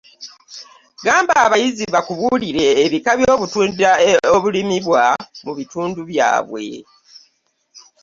Gamba abayizi bakubuulire ebika by’obutunda obulimibwa mu bitundu byabwe.